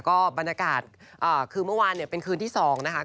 ก็บรรยากาศคือเมื่อวานเนี่ยเป็นคืนที่๒นะคะ